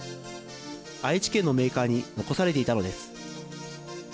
愛知県のメーカーに残されていたのです。